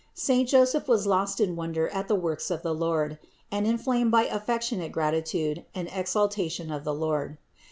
Saint Joseph was lost in wonder at the works of the Lord and inflamed by affectionate gratitude and exaltation of the Lord.